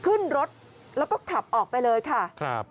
ขึ้นรถแล้วก็ขับออกไปเลยค่ะครับ